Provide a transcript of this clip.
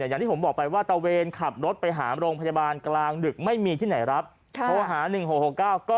ยังไม่ได้เขียนวัคซีนจะเข็นเลยหรอ